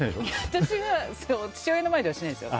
私は父親の前ではしないですよ。